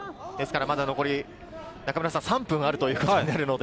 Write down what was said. まだ残り３分あるということになるので。